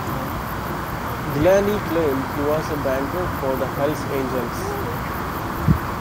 Gillani claimed he was a banker for the Hells Angels.